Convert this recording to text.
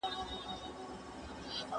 چغال انگورو ته نه رسېدی، ول دا تروه دي.